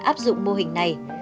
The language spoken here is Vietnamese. áp dụng mô hình này